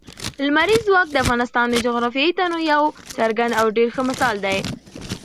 لمریز ځواک د افغانستان د جغرافیوي تنوع یو څرګند او ډېر ښه مثال دی.